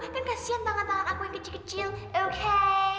kan kasian tangan tangan aku yang kecil kecil oke